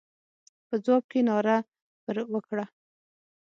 په ځواب کې ناره پر وکړه.